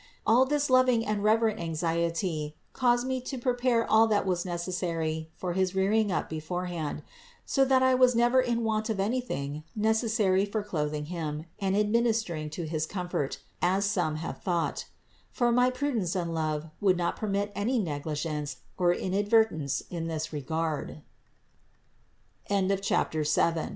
This loving and reverent anxiety caused me to prepare all that was necessary for his rearing up beforehand, so that I was never in want of anything necessary for clothing Him and administering to his comfort (as some have thought) ; for my prudence and love would not permit any negligence or inadvertence in th